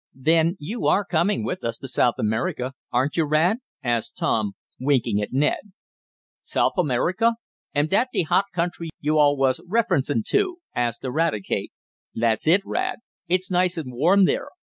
"Then you are coming with us to South America; aren't you, Rad?" asked Tom, winking at Ned. "Souf America? Am dat de hot country yo' all was referencin' to?" asked Eradicate. "That's it, Rad. It's nice and warm there.